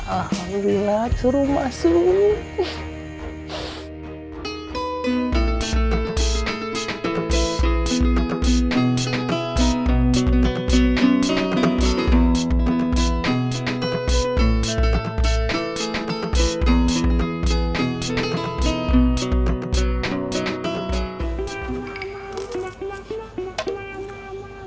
alhamdulillah suruh masuk